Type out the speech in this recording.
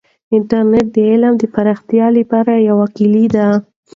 انټرنیټ د علم د پراختیا لپاره یوه کیلي ده.